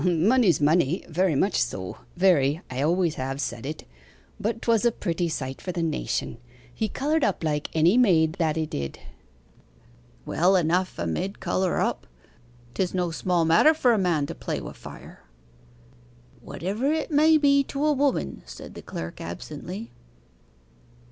Money's money very much so very I always have said it. But 'twas a pretty sight for the nation. He coloured up like any maid, that 'a did.' 'Well enough 'a mid colour up. 'Tis no small matter for a man to play wi' fire.' 'Whatever it may be to a woman,' said the clerk absently.